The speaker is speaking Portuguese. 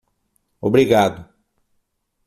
Obrigado